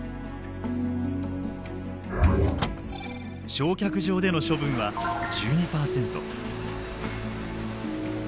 焼却場での処分は１２％。